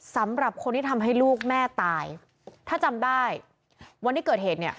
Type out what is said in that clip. สำหรับคนที่ทำให้ลูกแม่ตายถ้าจำได้วันที่เกิดเหตุเนี่ย